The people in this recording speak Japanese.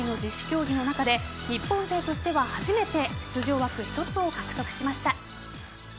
競技の中で日本勢としては初めて出場枠１つを獲得しました。